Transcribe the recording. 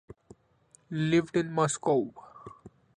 Lived in Moscow.